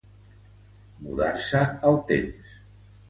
Mudar-se el temps.